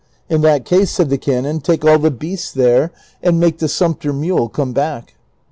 " In that case," said the canon, '' take all the beasts there, and make the sumpter mule come back."